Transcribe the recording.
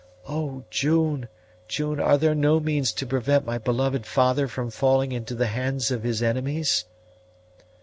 "Oh, June, June, are there no means to prevent my beloved father from falling into the hands of his enemies?"